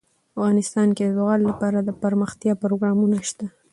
افغانستان کې د زغال لپاره دپرمختیا پروګرامونه شته.